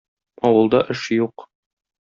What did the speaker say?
Авылда эш юк.